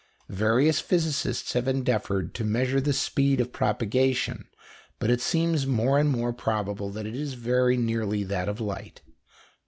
Various physicists have endeavoured to measure the speed of propagation, but it seems more and more probable that it is very nearly that of light.